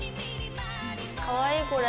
かわいいこれ。